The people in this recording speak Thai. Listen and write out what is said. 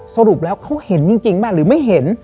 สรุปแล้วเขาเห็นจริงป่ะหรือไม่เห็น